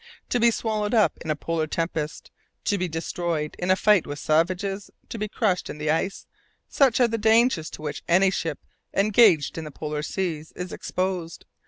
To be swallowed up in a polar tempest, to be destroyed in a fight with savages, to be crushed in the ice, such are the dangers to which any ship engaged in the polar seas is exposed!